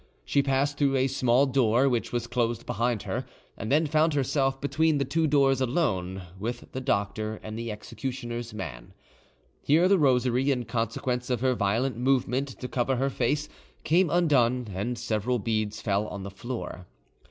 She passed through a small door, which was closed behind her, and then found herself between the two doors alone, with the doctor and the executioner's man. Here the rosary, in consequence of her violent movement to cover her face, came undone, and several beads fell on the floor.